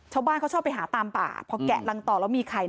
ชาวบ้านเขาชอบไปหาตามป่าพอแกะรังต่อแล้วมีไข่